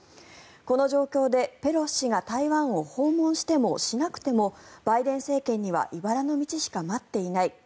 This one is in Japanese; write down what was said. この状況でペロシ下院議長が台湾を訪問してもしなくてもバイデン政権にはいばらの道しか待っていない